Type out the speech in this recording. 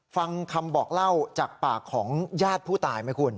ฟังคำบอกเล่าจากปากของญาติผู้ตายไหมคุณ